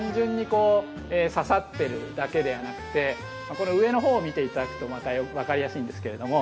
この上のほうを見て頂くとまた分かりやすいんですけれども